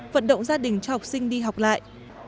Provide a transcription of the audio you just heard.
vận động gia đình cho học sinh đi học lại